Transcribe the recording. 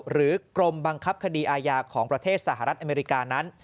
หรือกรมบังคับคดีอาญาของประเทศสหรัฐอเมริกานั้น